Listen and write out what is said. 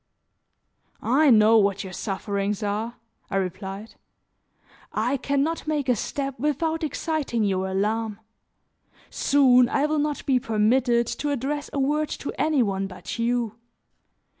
"I know what your sufferings are," I replied. "I can not make a step without exciting your alarm. Soon I will not be permitted to address a word to any one but you.